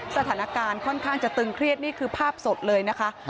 สถานการณ์ค่อนข้างจะตึงเครียดนี่คือภาพสดเลยนะคะ